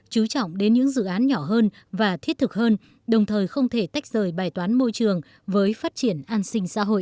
chú trọng đến những dự án nhỏ hơn và thiết thực hơn đồng thời không thể tách rời bài toán môi trường với phát triển an sinh xã hội